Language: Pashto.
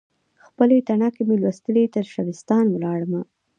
خپلې تڼاکې مې لوستي، ترشبستان ولاړمه